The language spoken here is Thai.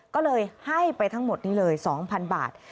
ก็เลยให้ไปทั้งหมดนี้เลย๒๐๐๐บาท